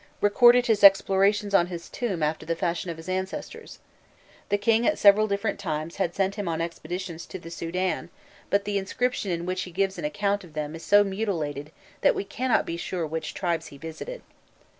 recorded his explorations on his tomb, after the fashion of his ancestors: the king at several different times had sent him on expeditions to the Soudan, but the inscription in which he gives an account of them is so mutilated, that we cannot be sure which tribes he visited.